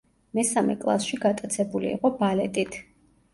მესამე კლასში გატაცებული იყო ბალეტით.